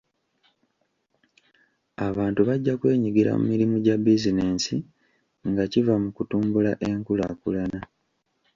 Abantu bajja kwenyigira mu mirimu gya bizinensi nga kiva mu kutumbula enkulaakulana.